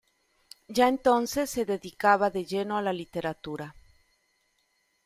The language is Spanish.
Ya entonces se dedicaba de lleno a la literatura.